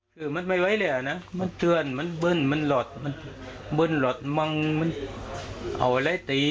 คือมันไม่ไว้เหลี่ยมันที่วันมันบื้นมันหลดมันบื้นหลดมันเอาอะไรตี